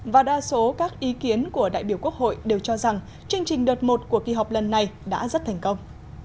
và đa số các ý kiến của đại biểu quốc hội đều cho rằng chương trình đợt một của kỳ họp lần này đã rất thành công